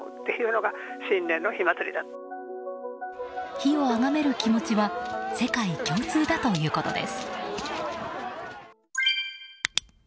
火をあがめる気持ちは世界共通だということです。